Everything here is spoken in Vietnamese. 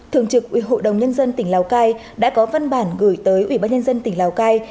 thường trực ủy hội đồng nhân dân tỉnh lào cai đã có văn bản gửi tới ủy ban nhân dân tỉnh lào cai